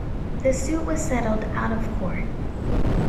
The suit was settled out of court.